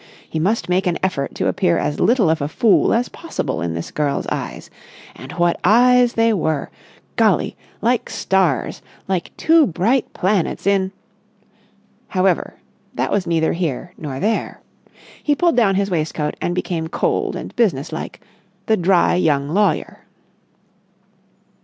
He must make an effort to appear as little of a fool as possible in this girl's eyes. And what eyes they were! Golly! Like stars! Like two bright planets in.... However, that was neither here nor there. He pulled down his waistcoat and became cold and business like,—the dry young lawyer.